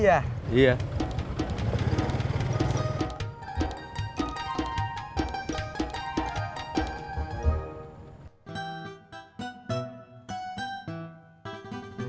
dia sih kebanyakan panas